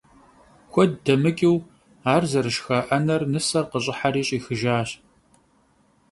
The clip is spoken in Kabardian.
Kued demıç'ıu ar zerışşxa 'ener nıser khış'ıheri ş'ixıjjaş.